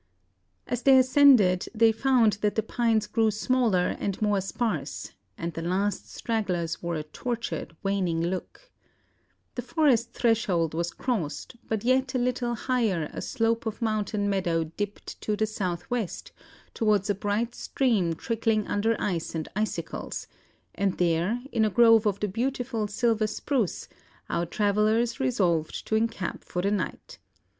As they ascended they found that the pines grew smaller and more sparse, and the last stragglers wore "a tortured, waning look." The forest threshold was crossed; but yet a little higher a slope of mountain meadow dipped to the south west, towards a bright stream trickling under ice and icicles; and there, in a grove of the beautiful silver spruce, our travellers resolved to encamp for the night.